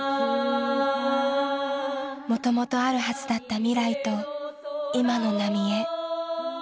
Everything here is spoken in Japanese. もともとあるはずだった未来と今の浪江。